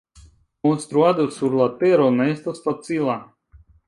Konstruado sur la tero ne estas facila.